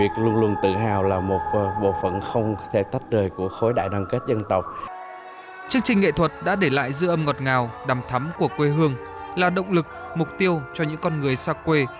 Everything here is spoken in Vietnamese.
chương trình nghệ thuật đã để lại dư âm ngọt ngào đầm thắm của quê hương là động lực mục tiêu cho những con người xa quê